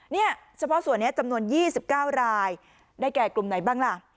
เนี่ยเฉพาะส่วนนี้จำนวน๒๙รายได้แก่กลุ่มไหนบ้างล่ะ